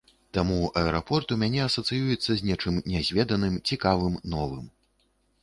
Таму аэрапорт у мяне асацыюецца з нечым нязведаным, цікавым, новым.